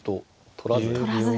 取らずに。